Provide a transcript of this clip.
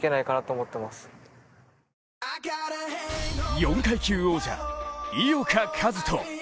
４階級王者・井岡一翔。